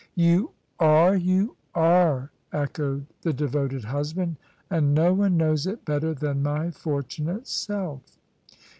"You are, you are! " echoed the devoted husband: "and no one knows it better than my fortunate self."